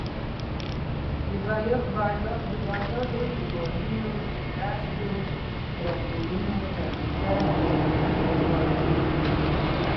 بډایه هیوادونه د مرستو او پورونو طریقه کاروي